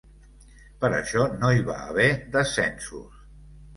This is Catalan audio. Per això no hi va haver descensos.